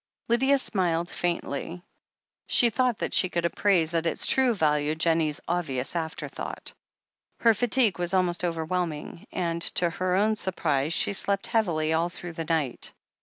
Lydia smiled faintly. She thought that she could appraise at its true value Jennie's obvious afterthought. Her fatigue was almost overwhelming, and, to her own surprise, she slept heavily all through the night.